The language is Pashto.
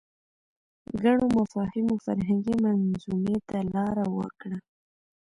ګڼو مفاهیمو فرهنګي منظومې ته لاره وکړه